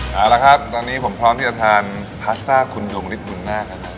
เอาละครับตอนนี้ผมพร้อมที่จะทานพลาสต้าคุณดวงริฟุนหน้าครับ